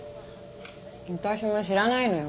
私も知らないのよ。